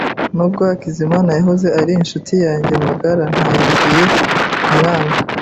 Nubwo Hakizimana yahoze ari inshuti yanjye magara, ntangiye kumwanga.